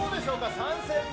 ３戦目。